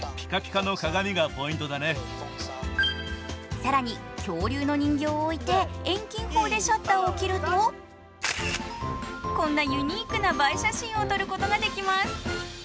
更に、恐竜の人形をおいて遠近法でシャッターを切るとこんなユニークな映え写真を撮ることができます。